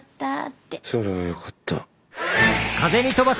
それはよかった。